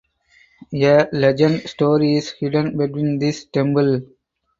A Legend story is hidden between this temple.